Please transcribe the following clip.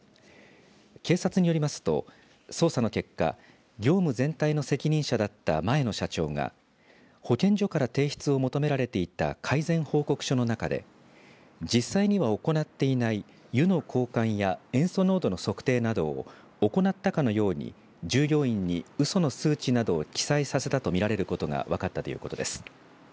警察によりますと、捜査の結果業務全体の責任者だった前の社長が保健所から提出を求められていた改善報告書の中で実際には行っていない湯の交換や塩素濃度の測定などを行ったかのように従業員にうその数値などを記載させたと見られることが分かったということです。